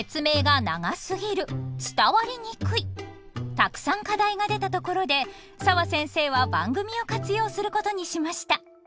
たくさん課題が出たところで澤先生は番組を活用することにしました。